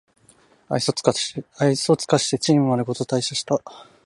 愛想つかしてチームまるごと退社した